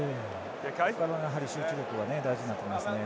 ここからの集中力が大事になってきますね。